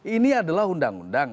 ini adalah undang undang